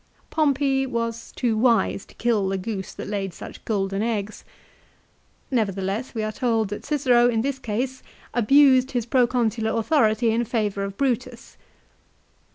Pompey was too wise to kill the goose that laid such golden eggs. Nevertheless we are told that Cicero, in this case, abused his proconsular authority in favour of Brutus.